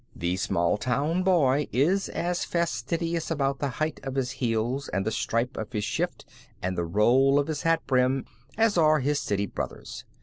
The small town boy is as fastidious about the height of his heels and the stripe of his shift and the roll of his hat brim as are his city brothers.